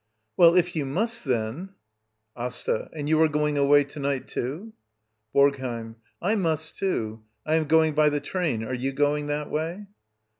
Well, if you must, then — AsTA. And you are going away to night, too? BoRGHEiM. I must, too. I am going by the train. Are you gping that way?